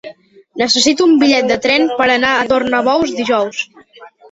Necessito un bitllet de tren per anar a Tornabous dijous.